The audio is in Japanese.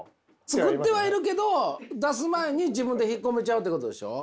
作ってはいるけど出す前に自分で引っ込めちゃうっていうことでしょ？